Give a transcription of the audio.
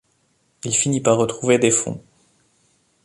Il finit par retrouver des fonds.